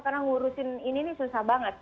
karena ngurusin ini nih susah banget